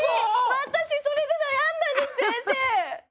私それで悩んだんです先生！